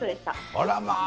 あらまー。